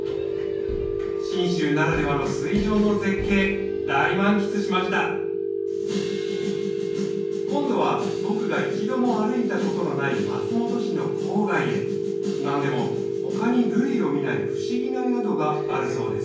信州ならではの水上の絶景大満喫しました今度は僕が一度も歩いたことのない松本市の郊外へ何でも他に類を見ない不思議な宿があるそうです